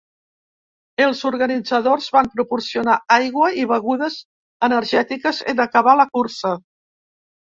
Els organitzadors van proporcionar aigua i begudes energètiques en acabar la cursa.